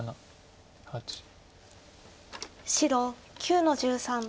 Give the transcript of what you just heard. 白９の十三。